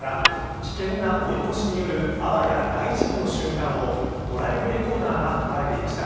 危険な追い越しによるあわや大事故の瞬間をドライブレコーダーが捉えていました。